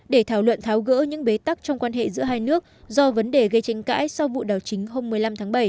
để thảo luận tháo gỡ những bế tắc trong quan hệ giữa hai nước do vấn đề gây tranh cãi sau vụ đảo chính hôm một mươi năm tháng bảy